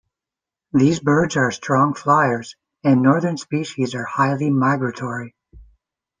These birds are strong fliers and northern species are highly migratory.